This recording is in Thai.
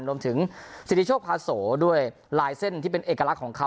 รวมถึงสิทธิโชคพาโสด้วยลายเส้นที่เป็นเอกลักษณ์ของเขา